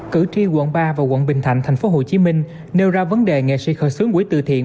cử tri quận ba và quận bình thạnh tp hcm nêu ra vấn đề nghệ sĩ khởi xướng quỹ tự thiện